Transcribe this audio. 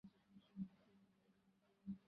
তিনি একসময় "জনৈক বঙ্গমহিলা" ছদ্মনামে লিখতেন।